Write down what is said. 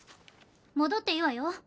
戻っていいわよ